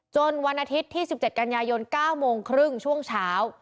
วันอาทิตย์ที่๑๗กันยายน๙โมงครึ่งช่วงเช้า